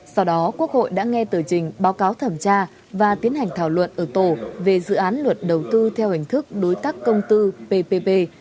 sau đó quốc hội đã nghe tờ trình báo cáo thẩm tra và tiến hành thảo luận ở tổ về dự án luật đầu tư theo hình thức đối tác công tư ppp